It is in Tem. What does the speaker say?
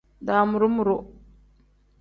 Damuru-muru.